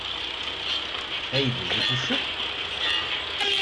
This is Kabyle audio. Aydi yif uccen?